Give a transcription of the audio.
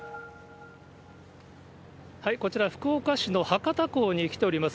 こちら、福岡市の博多港に来ております。